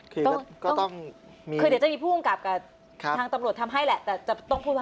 คือเดี๋ยวจะมีผู้กำกับกับทางตำรวจทำให้แหละแต่จะต้องพูดว่าอะไร